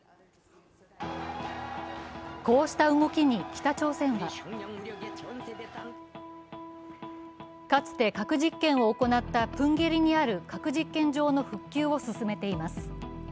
こうした動きに北朝鮮はかつて核実験を行ったプンゲリにある核実験場の復旧を進めています。